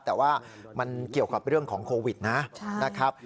แต่ว่ามันเกี่ยวกับเรื่องของโควิดนะครับ